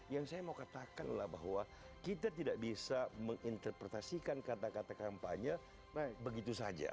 yang saya mau katakanlah bahwa kita tidak bisa menginterpretasikan kata kata kampanye begitu saja